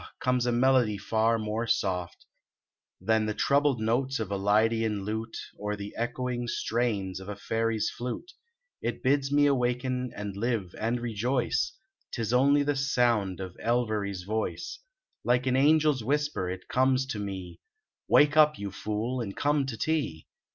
comes a melody far more soft Than the troubled notes of a lydian lute Or the echoing strains of a fairy s flute; It bids me awaken and live and rejoice, Tis only the sound of Elviry s voice Like an angel s whisper it comes to me: Wake up, you fool, and come to tea."